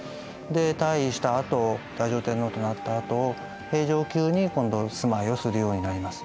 で退位したあと太上天皇となったあと平城宮に今度住まいをするようになります。